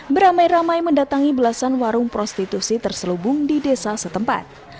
beramai ramai mendatangi belasan warung prostitusi terselubung di desa setempat